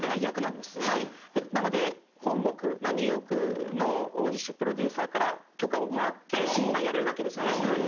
なので本国ニューヨークのプロデューサーから許可をもらってやれるわけですよね。